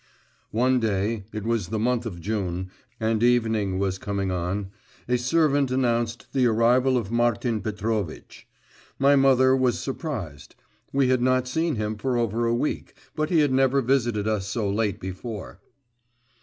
X One day it was the month of June, and evening was coming on a servant announced the arrival of Martin Petrovitch. My mother was surprised: we had not seen him for over a week, but he had never visited us so late before.